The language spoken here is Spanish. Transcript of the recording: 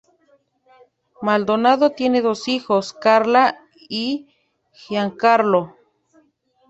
Maldonado tiene dos hijos, Carla y Giancarlo.